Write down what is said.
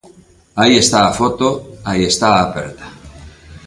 Aí está a foto, aí está a aperta.